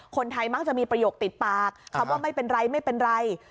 คนไทยมักจะมีประโยคติดปากคำว่าไม่เป็นไรไม่เป็นไร